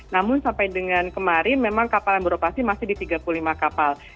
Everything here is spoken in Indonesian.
namun sampai dengan kemarin memang kapal yang beroperasi masih di tiga puluh lima kapal